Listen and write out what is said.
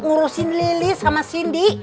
ngurusin lili sama sindy